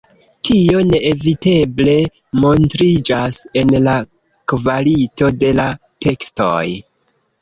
Tio neeviteble montriĝas en la kvalito de la tekstoj.